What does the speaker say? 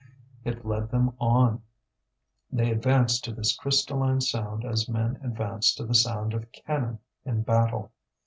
It led them on; they advanced to this crystalline sound as men advance to the sound of cannon in battle.